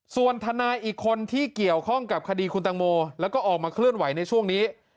ส่วนทนายอีกคนที่เกี่ยวข้องกับคดีคุณตังโมแล้วก็ออกมาเคลื่อนไหวในช่วงนี้